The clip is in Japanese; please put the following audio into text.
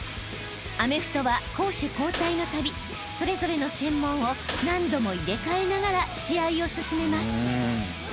［アメフトは攻守交代のたびそれぞれの専門を何度も入れ替えながら試合を進めます］